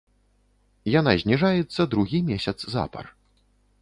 Яна зніжаецца другі месяц запар.